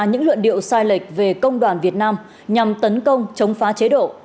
những luận điệu sai lệch về công đoàn việt nam nhằm tấn công chống phá chế độ